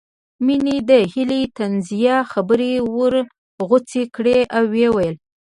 مينې د هيلې طنزيه خبرې ورغوڅې کړې او ويې ويل